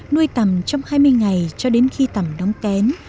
nuôi tầm trong hai mươi ngày cho đến khi tầm đóng kén